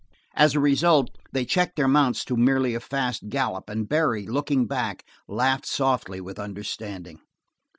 As a result, they checked their mounts to merely a fast gallup, and Barry, looking back, laughed softly with understanding.